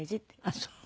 あっそう。